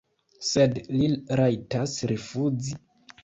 Sed li rajtas rifuzi?